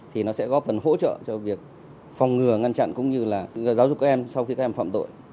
thì nó sẽ góp phần hỗ trợ cho việc phòng ngừa ngăn chặn cũng như là giáo dục các em sau khi các em phạm tội